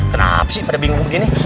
kenapa sih pada bingung begini